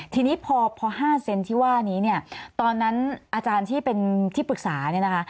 ทีนี้พอ๕เซนที่ว่านี้เนี่ยตอนนั้นอาจารย์ที่เป็นที่ปรึกษาเนี่ยนะคะ